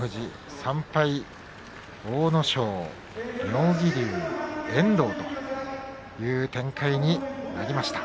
３敗、阿武咲、妙義龍、遠藤という展開になりました。